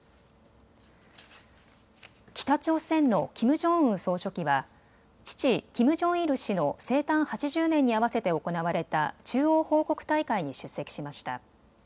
北朝鮮のキム・ジョンウン総書記は父、キム・ジョンイル氏の生誕８０年に合わせて行われた中央報告大会に出席しました。